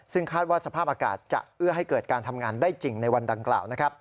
ซึ่งคาดว่าสภาพอากาศจะเอื้อให้เกิดการทำงานได้จริงในวันดังกล่าว